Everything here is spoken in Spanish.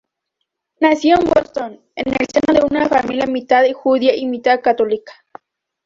Nació en Boston, en el seno de una familia mitad judía y mitad católica.